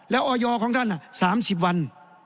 แล้วออยของท่าน๓๐วัน